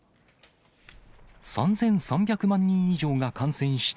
３３００万人以上が感染した